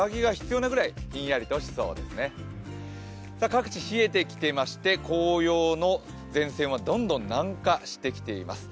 各地冷えてきていまして、紅葉の前線はどんどん南下してきています。